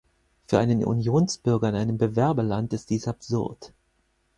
Für einen Unionsbürger in einem Bewerberland ist dies absurd.